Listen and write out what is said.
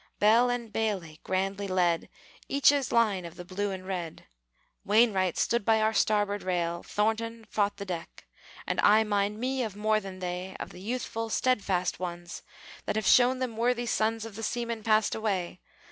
Bell and Bailey grandly led Each his line of the Blue and Red; Wainwright stood by our starboard rail; Thornton fought the deck. And I mind me of more than they, Of the youthful, steadfast ones, That have shown them worthy sons Of the seamen passed away.